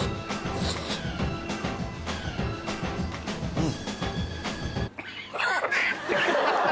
うん。